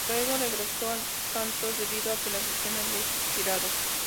Luego regresó al Santos debido a que la cesión había expirado.